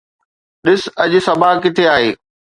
ڏس اڄ صبا ڪٿي آهي